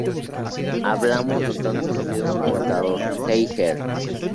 Hablamos entonces de un contador Geiger.